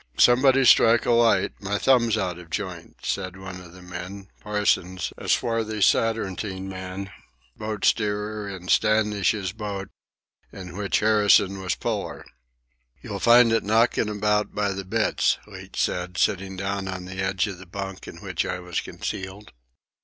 "Somebody strike a light, my thumb's out of joint," said one of the men, Parsons, a swarthy, saturnine man, boat steerer in Standish's boat, in which Harrison was puller. "You'll find it knockin' about by the bitts," Leach said, sitting down on the edge of the bunk in which I was concealed.